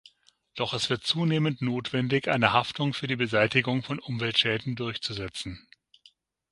Doch es wird zunehmend notwendig, eine Haftung für die Beseitigung von Umweltschäden durchzusetzen.